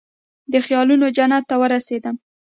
د خیالونوجنت ته ورسیدم